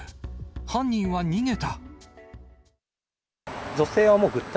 犯人は逃げた。